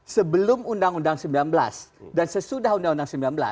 sebelum undang undang sembilan belas dan sesudah undang undang sembilan belas